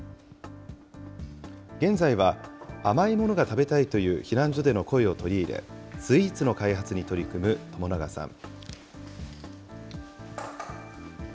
現在は甘いものが食べたいという避難所での声を取り入れ、スイーツの開発に取り組む友永さん。